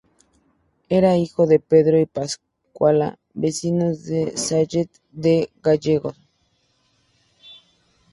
Era hijo de Pedro y Pascuala, vecinos de Sallent de Gállego.